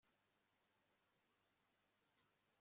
Mu nzu yanjye harakonje cyane